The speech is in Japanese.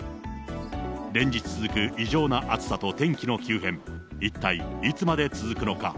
連日続く異常な暑さと天気の急変、一体いつまで続くのか。